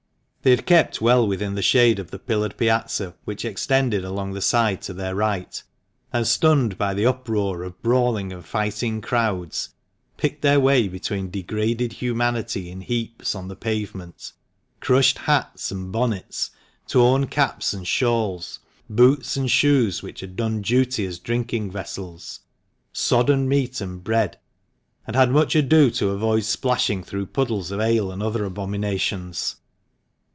They had kept well within the shade of the pillared piazza which extended along the side to their right, and, stunned by the uproar of brawling and fighting crowds, picked their way between degraded humanity in heaps on the pavement, crushed hats and bonnets, torn caps and shawls, boots and shoes which had done duty as drinking vessels, sodden meat and bread, and had much ado to avoid splashing through puddles of ale and other abominations.